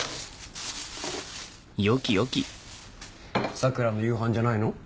桜の夕飯じゃないの？